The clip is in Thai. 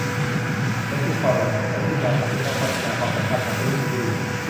มันคือความหวังของฉันที่เราอาจจะต้องพัฒนาความสัมพันธ์ทางธุรกิจให้ดี